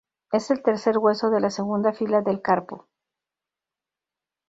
Es el tercer hueso de la segunda fila del carpo.